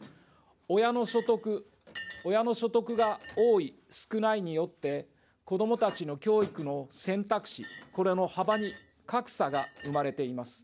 親の所得、親の所得が多い、少ないによって、子どもたちの教育の選択肢、これの幅に格差が生まれています。